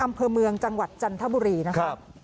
อำเภอเมืองจังหวัดจันทบุรีนะครับ